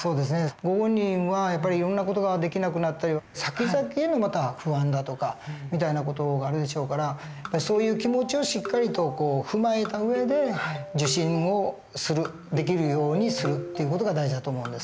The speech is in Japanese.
ご本人はやっぱりいろんな事ができなくなったりさきざきへの不安だとかみたいな事があるでしょうからそういう気持ちをしっかりと踏まえた上で受診をするできるようにするっていう事が大事だと思うんです。